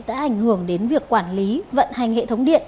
đã ảnh hưởng đến việc quản lý vận hành hệ thống điện